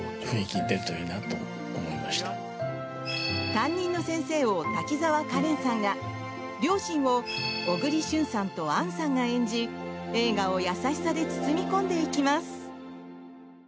担任の先生を滝沢カレンさんが両親を小栗旬さんと杏さんが演じ映画を優しさで包み込んでいきます。